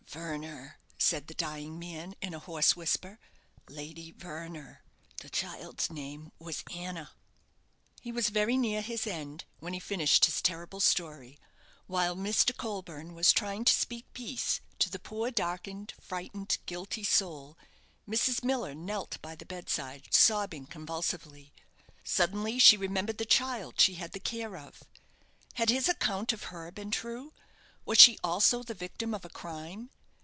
"Verner," said the dying man, in a hoarse whisper, "Lady Verner; the child's name was Anna." He was very near his end when he finished his terrible story. While Mr. Colburne was trying to speak peace to the poor darkened, frightened, guilty soul, Mrs. Miller knelt by the bedside, sobbing convulsively. Suddenly she remembered the child she had the care of. Had his account of her been true? Was she also the victim of a crime?